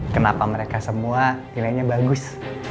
kenapa mereka semua nilainya bagus